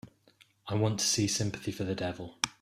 I want to see Sympathy for the Devil